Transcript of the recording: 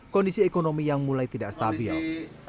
kondisi ekonomi yang mulai tidak stabil